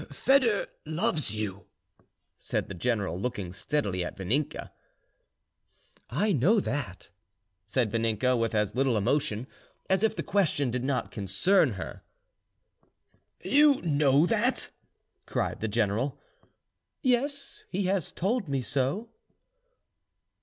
"Foedor loves you," said the general, looking steadily at Vaninka. "I know that," said Vaninka, with as little emotion as if the question did not concern her. "You know that!" cried the general. "Yes; he has told me so."